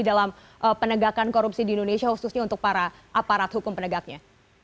dalam penegakan korupsi di indonesia khususnya untuk para aparat hukum penegaknya